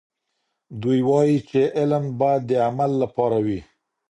دوی وایي چې علم باید د عمل لپاره وي.